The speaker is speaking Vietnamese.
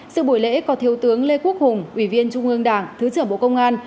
sự buổi lễ có thiếu tướng lê quốc hùng ủy viên trung ương đảng thứ trưởng bộ công an